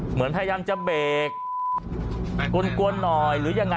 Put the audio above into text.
เหมือนพยายามจะเบรกกวนหน่อยหรือยังไง